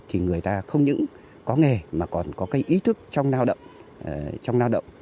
thì người ta không những có nghề mà còn có cái ý thức trong lao động